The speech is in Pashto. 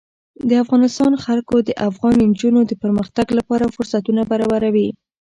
د افغانستان جلکو د افغان نجونو د پرمختګ لپاره فرصتونه برابروي.